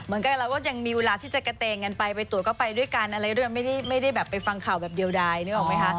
เราก็ยังมีเวลาที่จะเกะเตงกันไปไปตรวจก็ไปด้วยกันอะไรไม่ได้แบบไปฟังข่าวแบบเดียวได้